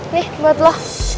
nih buat lo